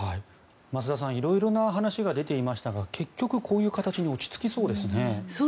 増田さん色々な話が出ていましたが結局、こういう形に落ち着きそうですね。